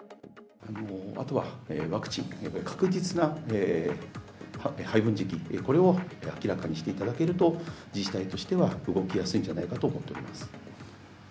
あとはワクチン、確実な配分時期、これを明らかにしていただけると、自治体としては動きやすいんじゃないかと思っております。